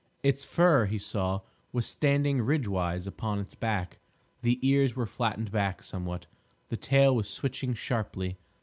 Its fur, he saw, was standing ridgewise upon its back; the ears were flattened back somewhat; the tail was switching sharply.